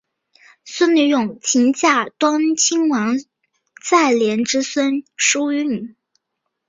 孙女诵琴嫁端亲王载漪之孙毓运。